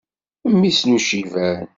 Mmi-s n Uciban.